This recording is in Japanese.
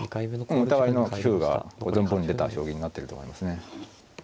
お互いの棋風が存分に出た将棋になってると思いますね。